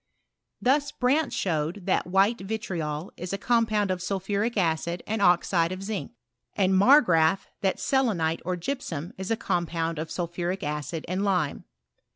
Thus, Brandt showed that v>kite vitriol is a com pound of sulphuric acid and oxide of zinc ; and Mar graaf, that s'leaile or gypsum is a compound of sulphuric acid anri lime.